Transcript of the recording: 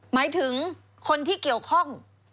หมายถึงคนที่เกี่ยวข้อง